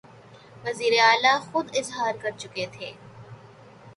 وزیراعلیٰ خود اظہار کرچکے تھے